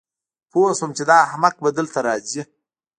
پوه شوم چې دا احمق به دلته راځي